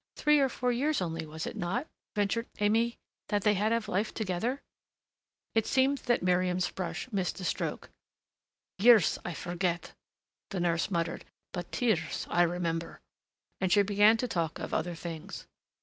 Three or four years only, was it not," ventured Aimée, "that they had of life together?" It seemed that Miriam's brush missed a stroke. "Years I forget," the nurse muttered, "but tears I remember," and she began to talk of other things.